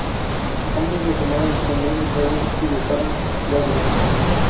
Ambos lo tomaron como un desaire y dejaron Glasgow.